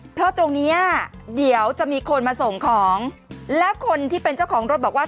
เพราะตรงเนี้ยเดี๋ยวจะมีคนมาส่งของและคนที่เป็นเจ้าของรถบอกว่า